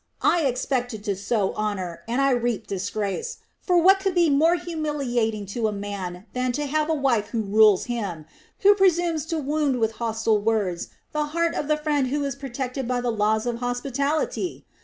I expected to sow honor, and I reap disgrace; for what could be more humiliating to a man than to have a wife who rules him, who presumes to wound with hostile words the heart of the friend who is protected by the laws of hospitality?